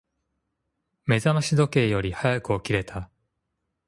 目覚まし時計より早く起きれた。